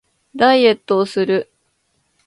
ダイエットをする